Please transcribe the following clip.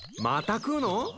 また食うの？